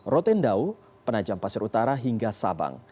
rotendau penajam pasir utara hingga sabang